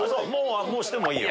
もう押してもいいよ。